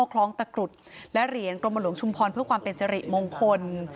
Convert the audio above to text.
เคราะห์ตะกรุและเดริงกรมหลวงชุมพรพระงานความเป็นสริมงคล